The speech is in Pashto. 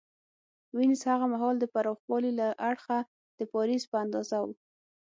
وینز هغه مهال د پراخوالي له اړخه د پاریس په اندازه و